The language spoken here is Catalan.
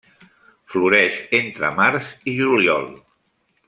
Floreix entre març i juliol.